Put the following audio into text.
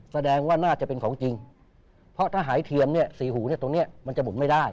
แสดงว่าน่าจะเป็นของจริงเพราะถ้าหายเทียมเนี่ยสี่หูเนี่ยตรงเนี้ยมันจะหมุนไม่ได้